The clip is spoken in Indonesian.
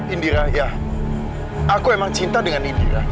indira ya aku emang cinta dengan india